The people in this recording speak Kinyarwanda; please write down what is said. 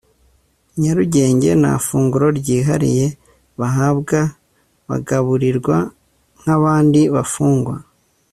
nyarugenge nta funguro ryihariye bahabwa bagaburirwa nk abandi bafungwa